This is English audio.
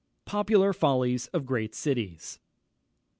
POPULAR FOLLIES OF GREAT CITIES.